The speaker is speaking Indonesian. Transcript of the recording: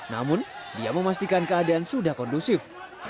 namun dia memastikan keadaan sudah kondusif